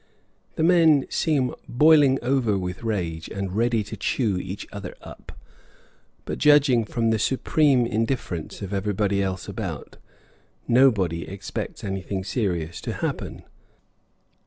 The men seem boiling over with rage and ready to chew each other up; but, judging from the supreme indifference of everybody else about, nobody expects anything serious, to happen.